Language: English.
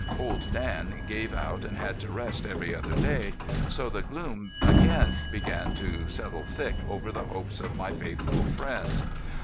Old Dan gave out and had to rest every other day. So the gloom again began to settle thick over the hopes of my faithful friends.